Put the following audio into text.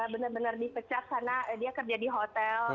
benar benar dipecat karena dia kerja di hotel